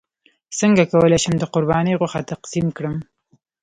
څنګه کولی شم د قرباني غوښه تقسیم کړم